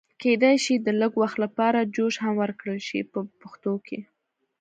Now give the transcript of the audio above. کېدای شي د لږ وخت لپاره جوش هم ورکړل شي په پښتو کې.